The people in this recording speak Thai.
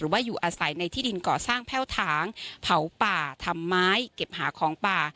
ว่าอยู่อาศัยในที่ดินก่อสร้างแพ่วถางเผาป่าทำไม้เก็บหาของป่า